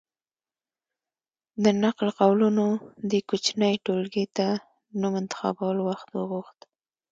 د نقل قولونو دې کوچنۍ ټولګې ته نوم انتخابول وخت وغوښت.